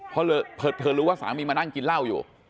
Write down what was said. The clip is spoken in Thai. เพราะเลยเผิดเผินรู้ว่าสามีมานั่งกินเหล้าอยู่